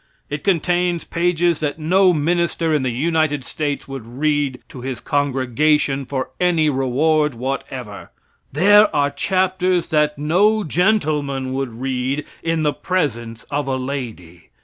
It contains pages that no minister in the United States would read to his congregation for any reward whatever. There are chapters that no gentleman would read in the presence of a lady.